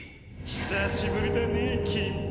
久しぶりだね金ピカ君。